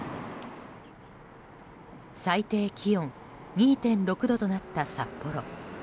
最低気温２．６度となった札幌。